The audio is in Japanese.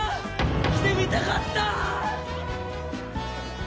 来てみたかった！